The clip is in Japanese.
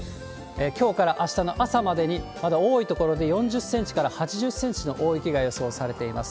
きょうからあしたの朝までに、まだ多い所で４０センチから８０センチの大雪が予想されています。